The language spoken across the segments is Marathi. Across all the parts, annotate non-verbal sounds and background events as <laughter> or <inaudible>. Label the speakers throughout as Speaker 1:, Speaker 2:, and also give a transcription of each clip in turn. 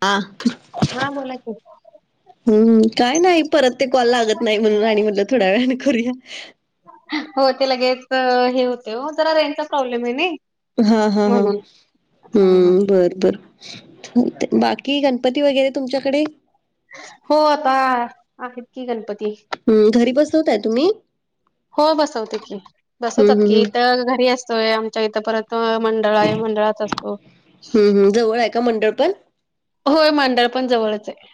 Speaker 1: आ.
Speaker 2: हा बोला कि.
Speaker 1: हम्म हम्म काय नाही परत ते कॉल लागत नाही म्हणून आणी म्हणलं थोड्या वेळाने करूया.
Speaker 2: हो ते लगेच हे होते हो जरा रेंनचा प्रॉब्लेम आहे नई.
Speaker 1: हां हां हां हम्म बर बर
Speaker 2: काय
Speaker 1: बाकी गण पती वगैरे तुमच्याकडे
Speaker 2: हो आता आहेत की गणपती.
Speaker 1: हं, घरी बसवताय तुम्ही?
Speaker 2: हो बसवते की,
Speaker 1: हं,
Speaker 2: बसवतात
Speaker 1: हं,
Speaker 2: की
Speaker 1: हं.
Speaker 2: इथ घरी असतोय आम च्या इते परत मंडळा आहे मंडळात असतो.
Speaker 1: हं, हं. जवळ आहे का मंडळ पण?
Speaker 2: होय मंडळ पण जवळच आहे.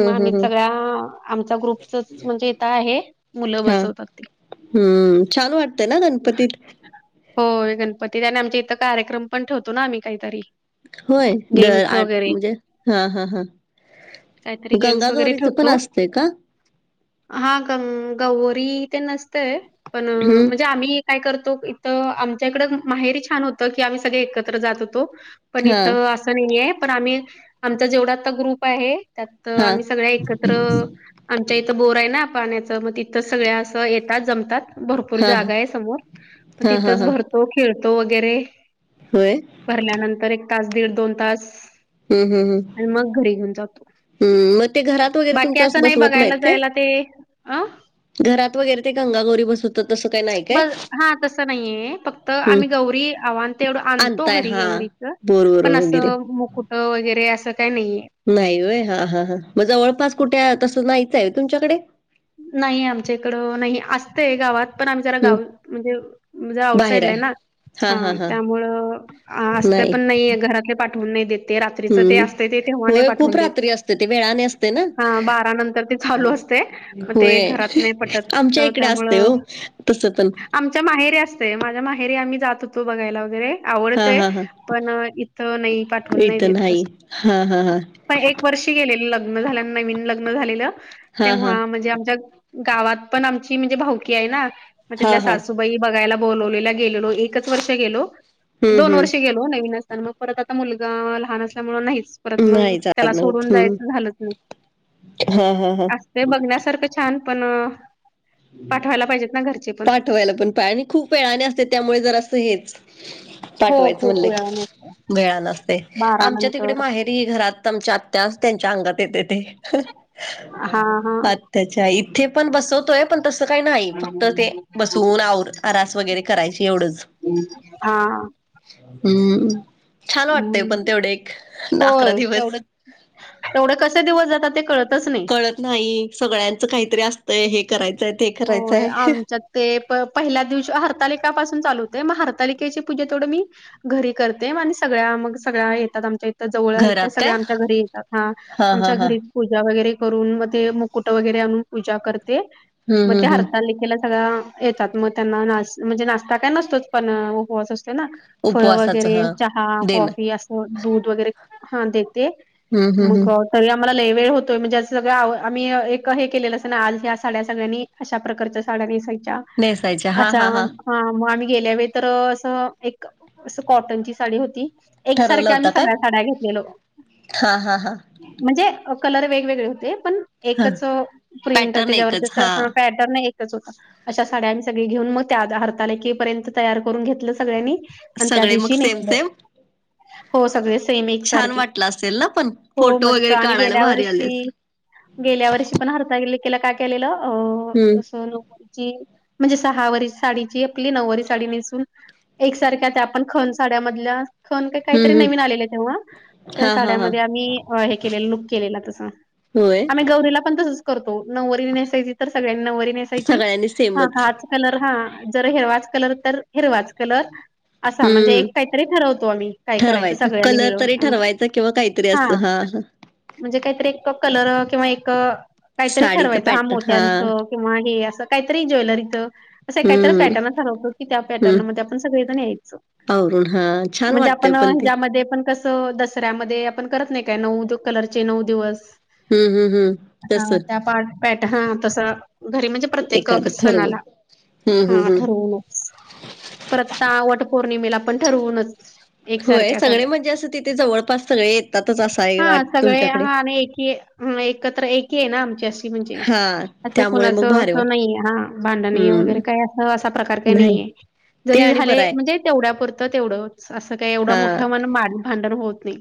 Speaker 2: मग आम्ही
Speaker 1: हं, हं.
Speaker 2: सगळ्या आमच्या ग्रुपचच म्हणजे इथ आहे मुलं बसवतात ते.
Speaker 1: हम्म छान वाटतय ना गणपतीत
Speaker 2: होय गणपती त्याने आमचे इथं कार्यक्रम पण ठेवतो ना आम्ही काहीतरी
Speaker 1: होय दर
Speaker 2: गेम्स
Speaker 1: आठ
Speaker 2: वगैरे
Speaker 1: म्हणजे हा हा हा. गंगागौरीच पण असते का?
Speaker 2: हा गं गौरी ते नसतय पण
Speaker 1: हं.
Speaker 2: म्हणजे आम्ही काय करतो इथ आमच्या इकड माहेरी छान होतं की आम्ही सगळे एकत्र जात होतो. पण
Speaker 1: हां,
Speaker 2: इथं असं नाही आहे पण आम्ही आमचा जेवढा आता ग्रुप आहे. त्यात
Speaker 1: हां.
Speaker 2: आम्ही सगळ्या एकत्र आमच्या इथं बोर आहे ना पाण्याचं मग तिथंच सगळ्या असं य ात जमतात भरपूर
Speaker 1: हां, हां.
Speaker 2: जागा आहे समोर म
Speaker 1: हां, हां,
Speaker 2: तिथच
Speaker 1: हां.
Speaker 2: भरतो खेळतो वगैरे
Speaker 1: होय.
Speaker 2: भरल्यानंतर एक तास दीड दोन तास
Speaker 1: हम हम हम.
Speaker 2: आणि मग घरी घेऊन जातो.
Speaker 1: ते घरात वगैरे
Speaker 2: बाकी
Speaker 1: तुमच्या
Speaker 2: असं नाही
Speaker 1: बसवत
Speaker 2: बघायला
Speaker 1: नाहीत काय?
Speaker 2: जायला ते अ
Speaker 1: घरात वगैरे ते गंगागोरी बसव
Speaker 2: बर हा तसं नाहीये फक्त
Speaker 1: हं
Speaker 2: आम्ही गौरी आव आणि ते एवढं आणतो
Speaker 1: आणताय
Speaker 2: घरी
Speaker 1: हा
Speaker 2: गौरीच
Speaker 1: बोरवरून
Speaker 2: पण
Speaker 1: वगैरे.
Speaker 2: असं मुकुट वगैरे असं काही नाहीये.
Speaker 1: नाही वय हा हा हा म जवळपास कुठे तसं नाहीचं आहे तुमच्याकडे
Speaker 2: नाही आमच्या इकडं नाही असतय गावात पण आम्ही जरा
Speaker 1: हं
Speaker 2: गाव म्हणजे म्हणजे आउट साईडला आहे ना हा त्यामुळं असत
Speaker 1: नाही
Speaker 2: पण नाहीये घरात पाठवून नाही देत. ते रात्रीच ते
Speaker 1: हं.
Speaker 2: असत ते तेव्हा नाही
Speaker 1: होय खूप
Speaker 2: पाठवून देत
Speaker 1: रात्री असते ते वेळाने असते ना
Speaker 2: हा बारा नंतर ते चालू असते. मग ते
Speaker 1: होय.
Speaker 2: घरात नाही पटत
Speaker 1: आमच्या इकडे
Speaker 2: त्यामु
Speaker 1: असते हो तसं पण
Speaker 2: आमच्या माहेरी असते. माझ्या माहेरी आम्ही जात होतो बघायला वगैरे
Speaker 1: हा
Speaker 2: आवडतय
Speaker 1: हा हा.
Speaker 2: पण इथं नाही पाठवून नाही
Speaker 1: इथं
Speaker 2: देत तस
Speaker 1: हा हा हा
Speaker 2: प एक वर्षी गेलेलं लग्न झाल्या नवीन लग्न झालेलं
Speaker 1: हा हा
Speaker 2: तेव्हा म्हणजे आ गावात पण आमची म्हणजे भाऊकी आहे ना
Speaker 1: हा
Speaker 2: तिथल्या
Speaker 1: हा
Speaker 2: सासूबाई बघायला बोलवलेल्या. गेलेलो एकच वर्ष गेलो
Speaker 1: हं
Speaker 2: दोन
Speaker 1: हं.
Speaker 2: वर्ष गेलो. नवीन असताना मग परत आता मुलगा लहान असल्यामुळे नाहीच. परत मग
Speaker 1: नाही
Speaker 2: त्याला
Speaker 1: जात
Speaker 2: सोडून
Speaker 1: नव्हत हं
Speaker 2: जायचं झालंच नाही
Speaker 1: हा हा हा.
Speaker 2: अस ते बघण्यासारखं छान पण पाठवायला पाहिजेत ना घरचे पण
Speaker 1: पाठवायला पण पा आणि खूप वेळाने असते त्यामुळे जर असं हेच
Speaker 2: हो
Speaker 1: पाठवायच म्हणल
Speaker 2: खूप वेळाने
Speaker 1: की,
Speaker 2: असत
Speaker 1: भेळा नसते
Speaker 2: बारा
Speaker 1: आमच्या तिकडे
Speaker 2: नंतर
Speaker 1: माहेर घरात आमच्या आत्यास त्यांच्या अंगात येते ते
Speaker 2: हा हा
Speaker 1: त्याच्या इथे पण बसवतोय. पण तसं काही नाही
Speaker 2: हा
Speaker 1: फक्त ते बसवून आवर आरास वगैरे करायची एवढंच.
Speaker 2: हा,
Speaker 1: हम्म छान वाटतय पण
Speaker 2: हम्म
Speaker 1: तेवढे एक अकरा
Speaker 2: होय तेवढे
Speaker 1: दिवस.
Speaker 2: तेवढे कसे दिवस जातात ते कळतच नाही.
Speaker 1: कळत नाही सगळ्यांच काहीतरी असतंय हे करायचंय. ते
Speaker 2: होय
Speaker 1: करायचंय
Speaker 2: आमच्यात. ते प पहिल्या दिवशी हरतालिकापासून चाल होते मग हरतालिकेची पूजा तेवढं मी. घरी करते मग आणि सगळ्या मग सगळ्या येतात आमच्या. त्या जवळ आहेत
Speaker 1: घरात
Speaker 2: त्या
Speaker 1: काय
Speaker 2: सगळ्या आमच्या घरी येतात हा
Speaker 1: हा
Speaker 2: आमच्या
Speaker 1: हा
Speaker 2: घरी. पूजा वगैरे करून मग ते मुकुट वगैरे आणून पूजा करते.
Speaker 1: हम्म
Speaker 2: मग
Speaker 1: हम्म
Speaker 2: त्या
Speaker 1: हम्म
Speaker 2: हरताल लेखेला सगळं येतात मग त्यांना नाष म्हणजे नाष्टा काय नसतोच पण उपवास असतो. हे ना फळ
Speaker 1: उपवासाचं
Speaker 2: वगैरे
Speaker 1: हा
Speaker 2: चहा
Speaker 1: देणं
Speaker 2: कॉफी असं दूध वगैरे हा देते.
Speaker 1: हम्म हम्म
Speaker 2: मग.
Speaker 1: हम्म
Speaker 2: तरी आम्हाला लैवेळ होतोय म्हणजे असं सगळ आवर आम्ही एक हे केलेलं असं ना आज या साड्या सगळ्यांनी. अशा प्रकारच्या साड्या नेसायच्या
Speaker 1: नेसायच्या हा
Speaker 2: असा.
Speaker 1: हा
Speaker 2: हा मग आम्ही गेल्या वेळेतर असं एक अस कॉटनची साडी होती.
Speaker 1: ठरवलं
Speaker 2: एकसारख्या
Speaker 1: होता
Speaker 2: आम्ही
Speaker 1: काय
Speaker 2: सगळ्या साड्या घेतलेलो.
Speaker 1: हा हा हा
Speaker 2: म्हणजे कलर वेगवेगळे होते पण
Speaker 1: ह
Speaker 2: एकच प्रिंट
Speaker 1: पॅटर्न
Speaker 2: त्याच्यावरती
Speaker 1: एकच हा
Speaker 2: त्याचा. पॅटर नाही एकच होता. अशा साड्या आम्ही सगळी घेऊन मग त्या हरताल केे पर्यंत तयार करून घेतलं सगळ्यांनी. आणि त्या
Speaker 1: सगळे मग
Speaker 2: दिवशी
Speaker 1: सेम
Speaker 2: नेतल
Speaker 1: सेम
Speaker 2: हो सगळे सेम
Speaker 1: छान
Speaker 2: एकसारखे.
Speaker 1: वाटला असेल ना पण
Speaker 2: हो
Speaker 1: फोटो
Speaker 2: मस्त
Speaker 1: वगैरे
Speaker 2: आणि
Speaker 1: काढायला
Speaker 2: गेल्या
Speaker 1: भारी आले
Speaker 2: वर्षी.
Speaker 1: असेल
Speaker 2: गेल्या वर्षी पण हरता कला काय केलेलं अ
Speaker 1: हम्म
Speaker 2: अस नको. ची म्हणजे सहा वर साडीची आपली नऊवारी साडी नेसून. एकसारख्यात आपण खण साड्यामधल्या खण का काहीतरी
Speaker 1: हम्म
Speaker 2: नवीन
Speaker 1: हम्म
Speaker 2: आलेले तेव्हा. त्या
Speaker 1: हा हा हा
Speaker 2: साड्यामध्ये आम्ही हे केलेलं लुक केलेला तस
Speaker 1: होय
Speaker 2: आम्ही गौरीला पण तसच. करतो नवरी नेसायची तर सगळ्यांनी नवरी नेसायची
Speaker 1: सगळ्यांनी
Speaker 2: हा का
Speaker 1: सेमच
Speaker 2: आज. कलर हा जर हिरवाच कलर तर हिरवाच कलर. असा म्हणजे
Speaker 1: हम्म
Speaker 2: एक काहीतरी ठरवतो आम्ही काय करायचं
Speaker 1: ठरवायचं
Speaker 2: सगळ्यांनी
Speaker 1: कलर
Speaker 2: मिळवून.
Speaker 1: ठरवायचं किंवा काहीतरी तरी असं हा हा.
Speaker 2: म्हणजे काहीतरी एक कलर किंवा एक काहीतरी
Speaker 1: साडीचं
Speaker 2: ठरवायचं हा
Speaker 1: पॅटर्न
Speaker 2: मोठ्यांच. किंवा हे असं काहीतरी ज्वेलरीच. असं काहीतरी
Speaker 1: हम्म
Speaker 2: पॅटर्न ठरवतो की त्या
Speaker 1: हम्म
Speaker 2: पॅटर्न मध्ये आपण सगळेजण यायच.
Speaker 1: आवरून हा छान
Speaker 2: म्हणजे
Speaker 1: वाटतय
Speaker 2: आपण
Speaker 1: पण ते
Speaker 2: ह्यामध्ये पण कस. त दसऱ्यामध्ये आपण करत नाही काय नऊ कलरचे नऊ दिवस.
Speaker 1: हम्म हम्म हम्म
Speaker 2: हा
Speaker 1: तस
Speaker 2: त्या पा पट हा तस घरी म्हणजे. प्रत्येक क
Speaker 1: एखादं
Speaker 2: सणाला
Speaker 1: ठरवून हम्म
Speaker 2: हा
Speaker 1: हम्म हम्म
Speaker 2: ठरवूनच. परत ता वट पौर्णिमेला पण ठरवूनच.
Speaker 1: होय
Speaker 2: एकसारख्या
Speaker 1: सगळे
Speaker 2: साड्या
Speaker 1: म्हणजे असं तिथे जवळपास सगळे येतातच असं आहे
Speaker 2: हा
Speaker 1: वाट
Speaker 2: सगळे
Speaker 1: तुमच्याकडे.
Speaker 2: हा आणि एकी. ह एकत्र एकी आहे ना आमची अशी म्हणजे.
Speaker 1: हा
Speaker 2: इथं
Speaker 1: त्यामुळे मग
Speaker 2: कुणाचं
Speaker 1: भारी
Speaker 2: असं
Speaker 1: वाट
Speaker 2: नाहीये हा भांडणी वगैरे
Speaker 1: हम्म
Speaker 2: काही असं असा प्रकार काही
Speaker 1: नाही
Speaker 2: नाहीये.
Speaker 1: ते
Speaker 2: जरी
Speaker 1: आणि
Speaker 2: झाले
Speaker 1: बरं आहे.
Speaker 2: म्हणजे तेवढ्यापुरतं तेवढंच असं काय एवढं
Speaker 1: हा
Speaker 2: मोठं मण मार भांडण होत नाही.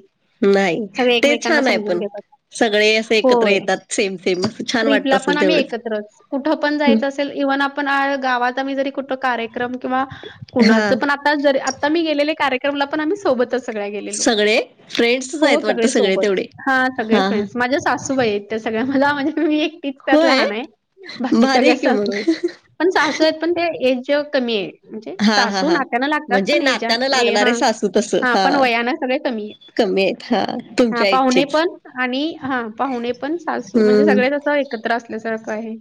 Speaker 1: नाही
Speaker 2: सगळे
Speaker 1: ते
Speaker 2: एकमेकांना
Speaker 1: छान आहे
Speaker 2: समजून
Speaker 1: पण.
Speaker 2: घेतात
Speaker 1: सगळे असे एकत्र
Speaker 2: होय.
Speaker 1: येतात सेम सेम अस छान वाटत.
Speaker 2: ला पण
Speaker 1: असेल
Speaker 2: आम्ही
Speaker 1: तेवढंच.
Speaker 2: एकत्रच. कुठं पण
Speaker 1: हं,
Speaker 2: जायचं असेल. इव्हन आपण, गावात आम्ही जरी कुठ कार्यक्रम किंवा कुणाचं,
Speaker 1: हा
Speaker 2: पण? आ जर आता मी गेलेले कार्यक्रमला, पण आम्ही सोबतच. सगळ्या गेलेलो.
Speaker 1: सगळे फ्रेंड्सच
Speaker 2: हो
Speaker 1: आहेत वाटत
Speaker 2: सगळे सोबत.
Speaker 1: तेवढे
Speaker 2: हा सगळे फ्रेंडस. माझ्या सासूबाईयत. सगळ्या मला. म्हणजे, मी एकटीच त्यात
Speaker 1: होय
Speaker 2: लहानय. बाकी
Speaker 1: भारी
Speaker 2: सगळ्या
Speaker 1: आहे की मग
Speaker 2: सासूयत. पण सासूयत पण ते, एज कमीय. म्हणजे
Speaker 1: हा हा
Speaker 2: सासू
Speaker 1: हा.
Speaker 2: नात्यानं लागतात.
Speaker 1: म्हणजे
Speaker 2: पण, एजा
Speaker 1: नात्यानं
Speaker 2: ए
Speaker 1: लागणारे
Speaker 2: हा,
Speaker 1: सासू तसं
Speaker 2: हा. पण वयान सगळे कमीयत.
Speaker 1: कमी आहेत हा
Speaker 2: हा
Speaker 1: तुमच्या
Speaker 2: पाहुणे
Speaker 1: इच्छेच.
Speaker 2: पण. आणि हा, पाहुणे पण. सासू म्हणजे
Speaker 1: हम्म
Speaker 2: सगळेत असं एकत्र असल्यासारखं आहे.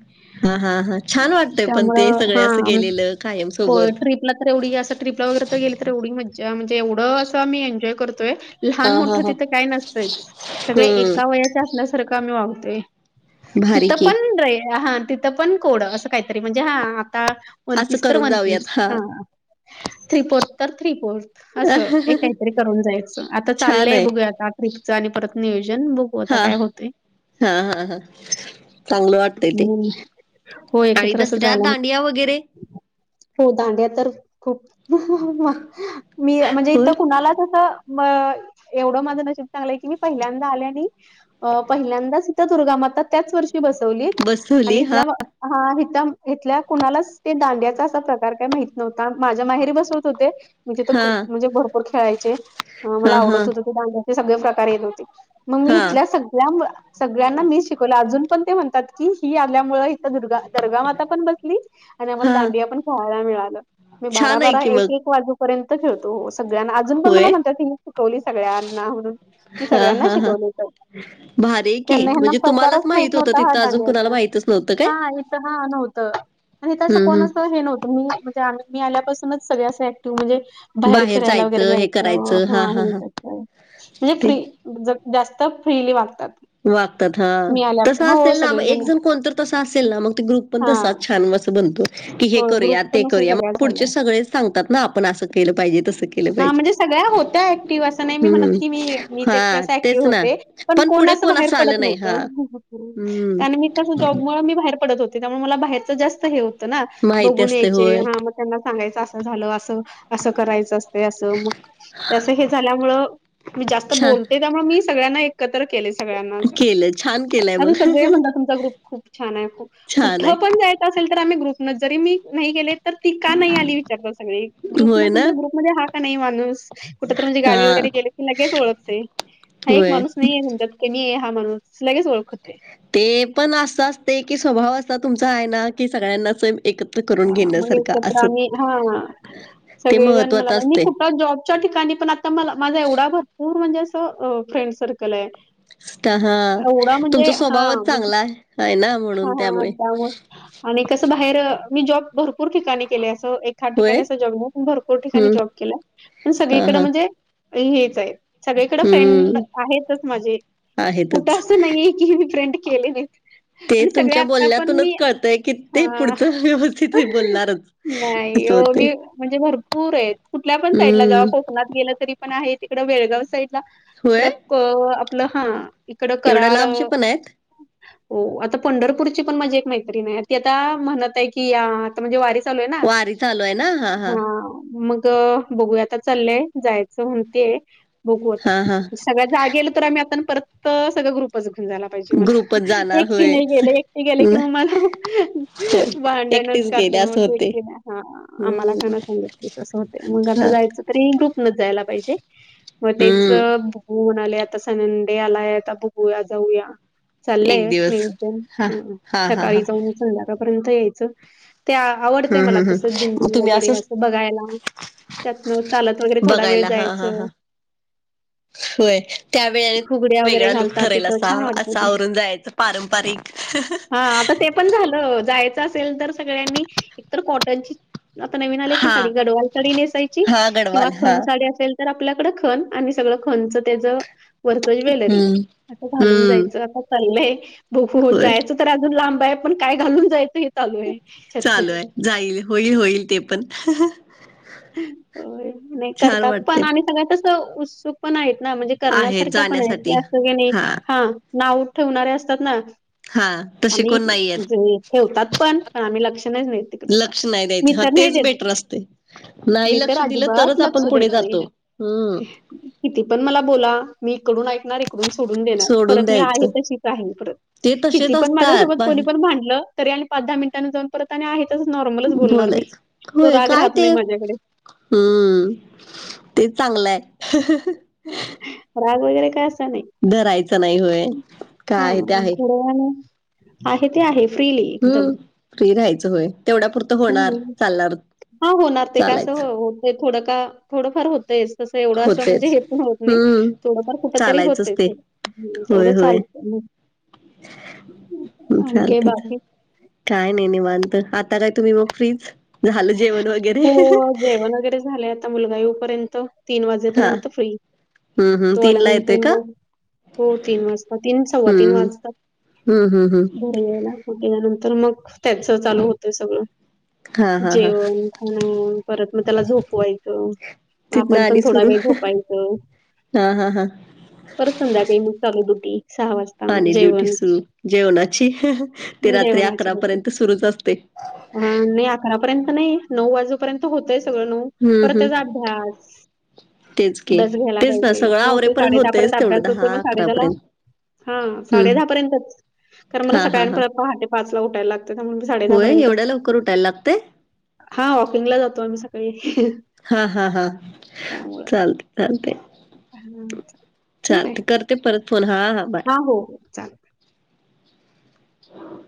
Speaker 1: हा, हा, हा. छान वाटतय पण. ते
Speaker 2: त्यामुळं
Speaker 1: सगळे असं गेलेलं, कायम सोबत.
Speaker 2: ला तर एवढी असं ट्रीपला वगैरे तर गेल तर एवढी मज्जा. म्हणजे, एवढं असं मी एन्जॉय करतोय.
Speaker 1: हां,
Speaker 2: लहान-
Speaker 1: हां,
Speaker 2: मोठं
Speaker 1: हां.
Speaker 2: तिथं काय नसतंयच. सगळे
Speaker 1: हं.
Speaker 2: एका वयाच्या असल्यासारखं, आम्ही वागतोय.
Speaker 1: भारी
Speaker 2: तिथं
Speaker 1: की.
Speaker 2: पण रे, हा तिथं पण कोडं. असं काहीतरी, म्हणजे हा आता
Speaker 1: असं
Speaker 2: वनपीस तर,
Speaker 1: करून
Speaker 2: वन
Speaker 1: जाऊयात
Speaker 2: पीस.
Speaker 1: हां.
Speaker 2: हा. थ्री - पोर्थ तर, थ्री पोर्थ. असं. हे काहीतरी करून जायचं. आता
Speaker 1: छान
Speaker 2: चाललंय,
Speaker 1: आहे.
Speaker 2: बघूया आता. ट्रिप च आणि परत नियोजन. बघू आता, काय होतय?
Speaker 1: हा, हा, हा. चांगलं वाटतय ते.
Speaker 2: हम्म. हो
Speaker 1: आळी
Speaker 2: एकत्र असं
Speaker 1: दसऱ्यात
Speaker 2: जायला
Speaker 1: दांडिया वगैरे.
Speaker 2: हो दांड्या तर खूप. <unintelligible> मी, म्हणजे, इथ
Speaker 1: होय.
Speaker 2: कुणाला तसं म एवढं माझं नशीब चांगलंय. की, मी पहिल्यांदा आले आणि अ पहिल्यांदाच ईथ दुर्गामाता, त्याच वर्षी बसवली. आणि
Speaker 1: बसवली हां,
Speaker 2: इथल्या म हा, हिथ, हिथल्या कुणालाच ते दांडी या, असा प्रकार काय, माहि नव्हता. माझ्या माहेरी बसवत होते. मी जीथं प
Speaker 1: हां,
Speaker 2: म्हणजे, भरपूर खेळायचे. ह, मला
Speaker 1: हां,
Speaker 2: आवडत
Speaker 1: हां,
Speaker 2: होतं, ते. दांडिया. सगळे प्रकार येत होती. मग मी
Speaker 1: हां,
Speaker 2: इथल्या मु सगळ्यां- सगळ्यांना मी शिकवलं. अजून पण ते म्हणतात. की, ही आल्यामुळे इथ. दुर्गा - दर्गा माता पण बसली आणि आम्हाला,
Speaker 1: हां.
Speaker 2: दांडिया पण खेळायला मिळालं. मी बारा-
Speaker 1: छान आहे
Speaker 2: बारा,
Speaker 1: की
Speaker 2: एक
Speaker 1: मग.
Speaker 2: - एक वाजूपर्यंत खेळतो. सगळ्यांना अजून पण मला
Speaker 1: होय?
Speaker 2: म्हणत्यात, ही शिकवली सगळ्यांना, म्हणून. मी
Speaker 1: हां,
Speaker 2: सगळ्यांना
Speaker 1: हां, हां.
Speaker 2: शिकवलेेत.
Speaker 1: भारी आहे की
Speaker 2: त्यांना हना
Speaker 1: म्हणजे तुम्हालाच
Speaker 2: प्रकारच माहित
Speaker 1: होतं
Speaker 2: नव्हता, हा
Speaker 1: तिथं अजून कुणाला
Speaker 2: दांडियाचा.
Speaker 1: माहितच नव्हतं काय?
Speaker 2: हा, इथ. हा नव्हतं. आणि तसं
Speaker 1: हं, हं.
Speaker 2: कोणाच हे नव्हतं. मी. म्हणजे आम्ही, मी आल्यापासूनच. सगळे असं, ऍक्टिव्ह म्हणजे बाहेर फिरायला वगैरे,
Speaker 1: जायचं हे
Speaker 2: जायचं.
Speaker 1: करायचं
Speaker 2: हा
Speaker 1: हां, हां,
Speaker 2: हे
Speaker 1: हां.
Speaker 2: क <unintelligible> म्हणजे
Speaker 1: ते
Speaker 2: फ्री. ज - जास्त फ्रीली वागतात.
Speaker 1: वागतात. हं.
Speaker 2: मी आल्या
Speaker 1: तसं
Speaker 2: हो
Speaker 1: असेल ना मग. एक
Speaker 2: सगळेजण
Speaker 1: जण कोण तर तसा असेल ना, मग ते ग्रुप पण
Speaker 2: हा
Speaker 1: तसा छान अस बनतो. की हे
Speaker 2: हो
Speaker 1: करूया.
Speaker 2: ग्रुप
Speaker 1: ते
Speaker 2: पण असं
Speaker 1: करूया.
Speaker 2: सगळा झाला
Speaker 1: पुढचे सगळे सांगतात ना. आपण असं केलं पाहिजे. तसं केलं
Speaker 2: हा
Speaker 1: पाहिजे.
Speaker 2: म्हणजे, सगळ्या होत्या ऍक्टिव्ह. असं नाही मी म्हणत.
Speaker 1: हं.
Speaker 2: की, मी मीच एकटी
Speaker 1: हां,
Speaker 2: अस ऍक्टिव्ह
Speaker 1: तेच ना.
Speaker 2: होते. पण
Speaker 1: पुढे
Speaker 2: कोणच
Speaker 1: कोण
Speaker 2: बाहेर
Speaker 1: असं
Speaker 2: पडत
Speaker 1: आलं नाही.
Speaker 2: नव्हतं.
Speaker 1: हां.
Speaker 2: <unintelligible>
Speaker 1: हं.
Speaker 2: कारण मी कस, जॉबमूळ मी बाहेर पडत होत. त्यामुळे मला बाहेरच जास्त हे होतं ना.
Speaker 1: माहिती
Speaker 2: बघून
Speaker 1: असते.
Speaker 2: यायचे.
Speaker 1: होय.
Speaker 2: हा मग त्यांना सांगायचं. असं झालं. असं असं करायचं असतय. अस, मग हे झाल्यामुळे, मी जास्त
Speaker 1: छान
Speaker 2: बोलते त्यामुळे, मी सगळ्यांना एकत्र केलेय. सगळ्यांना असं.
Speaker 1: केलं. छान केलंय मग.
Speaker 2: आता सगळे म्हणतात, तुमचा ग्रुप खूप छानय. खूप.
Speaker 1: छान
Speaker 2: कुठं
Speaker 1: आहे.
Speaker 2: पण जायच असेल तर, आम्ही ग्रुपन. जरी मी नाही गेले. तर ती का, नाही आली? विचारतात सगळे. ग्रुपन
Speaker 1: होय ना?
Speaker 2: तुमचा, ग्रुप मध्ये हा का, नाही माणूस? कुठ तर म्हणजे गावी
Speaker 1: हां.
Speaker 2: वगैरे गेले की लगेच ओळखतय हा एक
Speaker 1: होय.
Speaker 2: माणूस नाहीे तुमच्यात. के मी हे हा माणूस लगेच ओळखते.
Speaker 1: ते पण असं असते की स्वभाव असता तुमचा आहे ना कि सगळ्यांनाच <unintelligible> <unintelligible>
Speaker 2: हा मग एकत्र
Speaker 1: असं.
Speaker 2: आम्ही हा, हा
Speaker 1: ते
Speaker 2: सगळेजण मला
Speaker 1: महत्वाचं
Speaker 2: मी
Speaker 1: असते.
Speaker 2: कुठलाच जॉब च्या ठिकाणी पण आता मला माझा एवढा भरपूर म्हणजे असं अ फ्रेंड सर्कल आहे.
Speaker 1: त हा
Speaker 2: एवढा म्हणजे
Speaker 1: तुमचा
Speaker 2: हा
Speaker 1: स्वभावच
Speaker 2: म्हणजे
Speaker 1: चांगला आहे ना
Speaker 2: हा,
Speaker 1: म्हणून
Speaker 2: हा त्यामुळे. आणि कसं बाहेर मी जॉब भरपूर ठिकाणी केले असं एक खा
Speaker 1: होय
Speaker 2: ठिकाणी असा <unintelligible> पन भरपूर ठिकाणी
Speaker 1: हं,
Speaker 2: जॉब केलाय. पण
Speaker 1: हां,
Speaker 2: सगळीकडे
Speaker 1: हां,
Speaker 2: म्हणजे हेच आहे, सगळीकडं फ्रेंड
Speaker 1: हम्म
Speaker 2: आहेतच माझे. कुठं
Speaker 1: आहेतच.
Speaker 2: असं नाहीे की मी फ्रेंड केले नाही,
Speaker 1: ते
Speaker 2: आणि सगळे
Speaker 1: तुमच्या
Speaker 2: आता पण
Speaker 1: बोलण्यातूनच
Speaker 2: मी.
Speaker 1: कळतंय की ते
Speaker 2: हां.
Speaker 1: पुढचं व्यवस्थितीय बोलणारच
Speaker 2: नाही
Speaker 1: असं
Speaker 2: हो,
Speaker 1: होतेय.
Speaker 2: मी म्हणजे भरपूर आहेत, कुठल्या पण साईडला जावा
Speaker 1: हम्म
Speaker 2: कोकणात गेलं तरी पण आहे, तिकड बेळगाव साईड. ला
Speaker 1: होय
Speaker 2: इकड क आपलं हा इकडं
Speaker 1: एवढ्या
Speaker 2: कराड
Speaker 1: लांबचे पण आहेत?
Speaker 2: हो आता पंढरपूरची पण माझी एक मैत्रीन आहे ती आता म्हणत आहे की या आता म्हणजे वारी चालू आहे ना
Speaker 1: वारी चालू आहे ना
Speaker 2: हा मग. बघूया आता चाललंय जायचं म्हणतेय बघू आता.
Speaker 1: हा हा
Speaker 2: सगळं जा गेल तर आम्ही आता न परत सगळं ग्रुपच घेऊन जाला पाहिजे मला
Speaker 1: ग्रुपच जाणार
Speaker 2: एकटी
Speaker 1: होय
Speaker 2: नाही गेले, एकटी गेलं किं म
Speaker 1: होय
Speaker 2: मला भांडणच
Speaker 1: एकटीच
Speaker 2: करतो
Speaker 1: गेले असं
Speaker 2: मग
Speaker 1: होतंय.
Speaker 2: एकटीला आम्हाला का
Speaker 1: हम्म
Speaker 2: ना सांगत ते तस होतेय मग
Speaker 1: हा
Speaker 2: आता जायचं तरी ग्रुप न जायला पाहिजे मग तेच
Speaker 1: हम्म
Speaker 2: हो म्हणाले आता संडे आलाय आता बघूया जाऊया.
Speaker 1: एक
Speaker 2: चाललंय
Speaker 1: दिवस हा
Speaker 2: नियोजन
Speaker 1: हा हा हा
Speaker 2: सकाळी जाऊन संध्याकाळपर्यंत यायचं. ते आवडतय
Speaker 1: हम्म
Speaker 2: मला
Speaker 1: हम्म
Speaker 2: तसं
Speaker 1: हम्म मग
Speaker 2: दिंडी
Speaker 1: तुम्ही
Speaker 2: वगैरे
Speaker 1: असंच
Speaker 2: असं बघायला. त्यातन चालत वगैरे थोडा वेळ
Speaker 1: बघायला हा हा
Speaker 2: जायचं.
Speaker 1: हा होय त्यावेेळेस
Speaker 2: फुगड्या वगैरे
Speaker 1: वेगळा लुक
Speaker 2: घालतात
Speaker 1: ठरेल
Speaker 2: तिथं
Speaker 1: असतो
Speaker 2: छान वाटतं
Speaker 1: असा
Speaker 2: ते.
Speaker 1: आवरून जायचं. पारंपरिक.
Speaker 2: हां आता ते पण झालं जायचं असेल तर सगळ्यांनी एकतर कॉटनची आता नवीन आले की
Speaker 1: हा
Speaker 2: साडी गडवाल साडी नेसायची
Speaker 1: हा
Speaker 2: किंवा
Speaker 1: गडवाल हा
Speaker 2: खण साडी असेल. तर आपल्याकडं खण आणि सगळं खणचं त्याच वरचय ज्वेलरी
Speaker 1: हम्म
Speaker 2: असं घालून
Speaker 1: हम्म
Speaker 2: जायचं आता चालय बघू
Speaker 1: होय
Speaker 2: जायचं तर अजून लांब आहे, पण काय घालून जायचं हे चालू आहे. चर्चा.
Speaker 1: चालू आहे जाईल, होईल होईल ते पण.
Speaker 2: होय नाही
Speaker 1: छान
Speaker 2: करतात
Speaker 1: वाटते
Speaker 2: पण आणि सगळ्या कस उत्सुक पण आहेत ना म्हणजे,
Speaker 1: आहे
Speaker 2: करण्यासारख्या पण आहेत,
Speaker 1: जाण्यासाठी
Speaker 2: की अस की नाही हा नाव ठेवणारे असतात ना.
Speaker 1: हां!
Speaker 2: आम्ही जुनी ठेवतात पण आम्ही लक्ष नाही देतं तिकड आता मी तर नाही देत.
Speaker 1: रस्ते.
Speaker 2: मी तर अजिबात लक्ष देत नाही.
Speaker 1: जातो हम्म
Speaker 2: किती पण मला बोला मी इकडून ऐकणार इकडून सोडून देणार
Speaker 1: सोडून
Speaker 2: परत मी आहे
Speaker 1: द्यायचं
Speaker 2: तशीच आहे. परत
Speaker 1: ते
Speaker 2: किती
Speaker 1: तसेच
Speaker 2: पण माझ्या
Speaker 1: असतात
Speaker 2: सोबत कोणी
Speaker 1: बाहेर
Speaker 2: पण भांडलं. तरी आणि पाच दहा मिनिटांनी जाऊन परत आणि आहेतच नॉर्मलच बोलणार मी
Speaker 1: बोलायचं
Speaker 2: तो राग राह
Speaker 1: हूं तेच चांगलंय.
Speaker 2: राग वगैरे काय असा नाही.
Speaker 1: धरायचं नाही होय
Speaker 2: हा
Speaker 1: काय आहे ते
Speaker 2: हा
Speaker 1: आहे
Speaker 2: थोड्या वेळाने आहे ते आहे. फ्रीली एकदम.
Speaker 1: हम्म, फ्री राहायचं होय तेवढ्या पुुरतं होणार
Speaker 2: हो.
Speaker 1: चालणार
Speaker 2: हा होणार ते का असं
Speaker 1: चालायचं
Speaker 2: होत थोडं का थोडंफार होतयच तसं एवढं असं म्हणजे
Speaker 1: होतेच
Speaker 2: हे होत नाही.
Speaker 1: हम्म
Speaker 2: थोडंफार कुठं तरी
Speaker 1: चालायचंच
Speaker 2: होतय
Speaker 1: ते होय
Speaker 2: तेवढं
Speaker 1: होय
Speaker 2: चालतय काय
Speaker 1: चालते चाल
Speaker 2: बाकी?
Speaker 1: काय नाही, निवांत आता काय तुम्ही मग फ्रीच? झालं जेवण वगैरे
Speaker 2: हो जेवण वगैरे झालंय आता मुलगा येवू पर्यंत तीन
Speaker 1: हा
Speaker 2: वाजेपर्यंत फ्री
Speaker 1: हम्म हम्म
Speaker 2: तो
Speaker 1: तीन ला येतोय
Speaker 2: आल्यानंतर
Speaker 1: का
Speaker 2: मग हो तीन वाजता तीन सव्वा तीन
Speaker 1: हम्म
Speaker 2: वाजता
Speaker 1: हम्म हम्म हम्म
Speaker 2: यायला मग त्याच्यानंतर मग त्याच चालू होतंय सगळं
Speaker 1: हा हा हा
Speaker 2: जेवण, खाणं परत मग त्याला झोपवायचं
Speaker 1: तिथनं
Speaker 2: आपण पण
Speaker 1: आणि
Speaker 2: थोडा
Speaker 1: सुरू
Speaker 2: वेळ झोपायचं.
Speaker 1: हा हा हा
Speaker 2: परत संध्याकाळी म चालू ड्युटी सहा वाजत
Speaker 1: झाली ड्युटी सुरू जेवणाची ती रात्री अकरापर्यंत सुरुच असते.
Speaker 2: हा अकरापर्यंत नायी नऊ वाजूपर्यंत होतय सगळं नऊ
Speaker 1: हम्म
Speaker 2: परत त्याचा
Speaker 1: हम्म
Speaker 2: अभ्यास
Speaker 1: तेच की
Speaker 2: अभ्यास घ्यायला
Speaker 1: तेच ना
Speaker 2: पाहिजे
Speaker 1: सगळं
Speaker 2: नऊ ते
Speaker 1: आवरेपर्यंत
Speaker 2: साडे दहा पर्यंत
Speaker 1: होतयच
Speaker 2: अभ्यास
Speaker 1: तेवढं
Speaker 2: होतोय
Speaker 1: दहा
Speaker 2: मग साडे
Speaker 1: अकरा
Speaker 2: दहाला
Speaker 1: पर्यंत.
Speaker 2: हा साडे
Speaker 1: हम्म
Speaker 2: दहापर्यंतच कारण मला
Speaker 1: हा
Speaker 2: सकाळी
Speaker 1: हा
Speaker 2: अनं
Speaker 1: हा
Speaker 2: परत पहाटे पाच ला उठायला लागत. त्याच्यामुळं साडे
Speaker 1: होय एवढ्या
Speaker 2: दहापर्यंतच
Speaker 1: लवकर उठाय लागतंय?
Speaker 2: हा वॉकिंगला जातो आम्ही सकाळी, त्यामुळं
Speaker 1: चालतंय,
Speaker 2: हा,
Speaker 1: चालतंय, करते परत फोन हा हा बाय.
Speaker 2: हो हो चालेल
Speaker 1: अच्छा